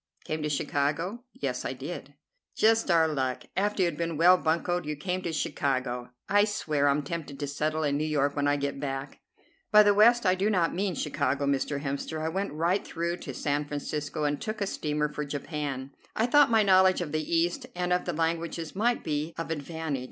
"Came to Chicago?" "Yes, I did." "Just our luck. After you had been well buncoed you came to Chicago. I swear I'm tempted to settle in New York when I get back." "By the West I do not mean Chicago, Mr. Hemster. I went right through to San Francisco and took a steamer for Japan. I thought my knowledge of the East and of the languages might be of advantage.